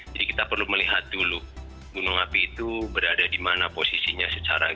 jadi kita perlu melihat dulu gunung api itu berada di mana posisinya secara gini